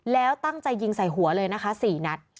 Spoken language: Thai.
แล้วตั้งใจยิงใส่หัวเลยนะคะ๔นัด